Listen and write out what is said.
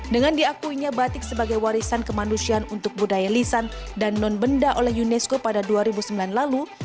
dengan diakuinya batik sebagai warisan kemanusiaan untuk budaya lisan dan non benda oleh unesco pada dua ribu sembilan lalu